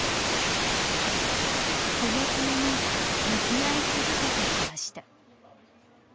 この問いに向き合い続けてきました。